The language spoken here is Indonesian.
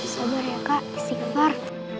sabar ya kak isi kemar